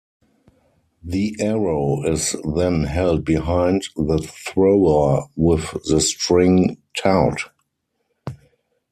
The arrow is then held behind the thrower, with the string taut.